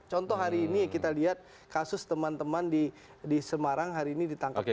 contoh hari ini kita lihat kasus teman teman di semarang hari ini ditangkap